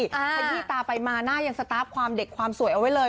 ขยี้ตาไปมาหน้ายังสตาร์ฟความเด็กความสวยเอาไว้เลย